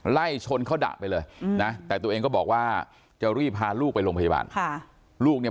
ไล่ชนเค้าด่าไปเลยนะแต่ตัวเองก็บอกว่าจะรีบพาลูกไปโรงพยาบาลครับ